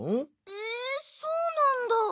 えそうなんだ。